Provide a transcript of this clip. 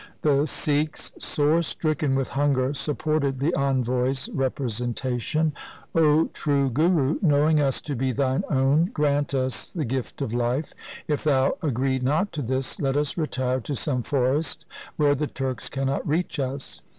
The Sikhs, sore stricken with hunger, supported the envoy's representation. ' O true Guru, knowing us to be thine own, grant us the gift of life. If thou agree not to this, let us retire to some forest where the Turks cannot reach us.